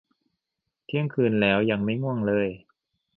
เที่ยงคืนแล้ว ยังไม่ง่วงเลย